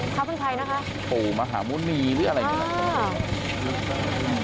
ครับคุณพัยนะคะโหมหาโมนีหรืออะไรอย่างนี้